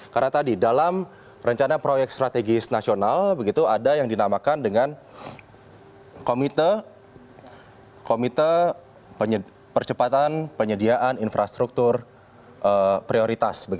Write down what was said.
karena tadi dalam rencana proyek strategis nasional ada yang dinamakan dengan komite percepatan penyediaan infrastruktur prioritas